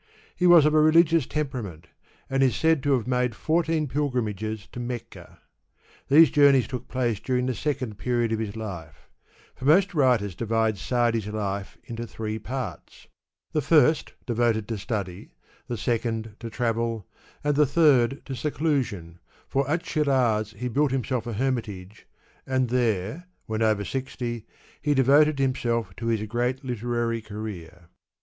He was of a religious temperament and is said to have made fourteen pilgrimages to Mecca. These journeys took place during the second period of his life, for most writers divide Sa^di^s life into three parts : the first devoted to study, the second to travel, and the third to sedusion, for at Shiraz he built himself a hermitage and there, when over sixty, he devoted himself to his great literary career.